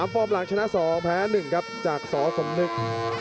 ฟอร์มหลังชนะ๒แพ้๑ครับจากสสมนึก